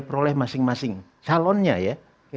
peroleh masing masing calonnya ya